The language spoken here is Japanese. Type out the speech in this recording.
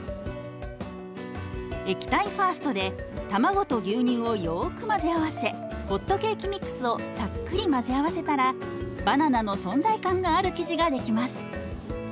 「液体ファースト」で卵と牛乳をよく混ぜ合わせホットケーキミックスをさっくり混ぜ合わせたらバナナの存在感がある生地が出来ます。